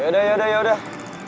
yaudah yaudah yaudah